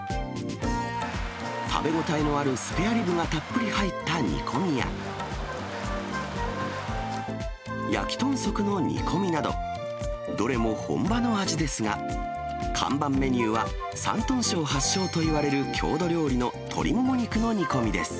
食べ応えのあるスペアリブがたっぷり入った煮込みや、焼き豚足の煮込みなど、どれも本場の味ですが、看板メニューは、山東省発祥といわれる郷土料理の鶏モモ肉の煮込みです。